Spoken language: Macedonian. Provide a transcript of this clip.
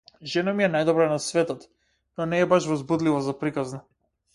Жена ми е најдобра на светот, но не е баш возбудлива за приказна.